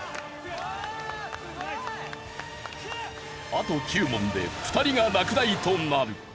あと９問で２人が落第となる。